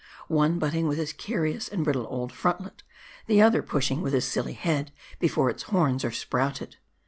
One butting with his carious and brittle old frontlet \ the other pushing with its silly head before its horns are sprouted.